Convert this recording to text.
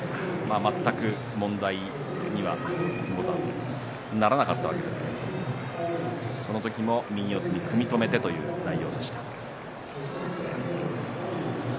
全く問題にはならなかったわけですがその時も右四つに組み止めてという内容でした。